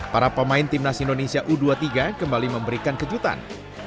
para pemain timnas indonesia u dua puluh tiga kembali memberikan kejutan